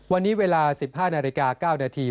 วันนี้เวลา๑๕นาฬิกา๙นาที